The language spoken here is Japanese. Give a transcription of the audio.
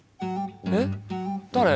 えっ誰？